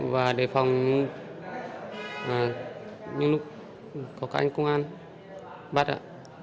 và đề phòng những lúc có các anh công an bắt ạ